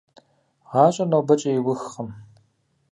ГъащӀэр нобэкӀэ иухкъым…